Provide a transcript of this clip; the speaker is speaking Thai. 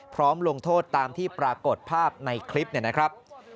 ลงโทษตามที่ปรากฏภาพในคลิปเนี่ยนะครับ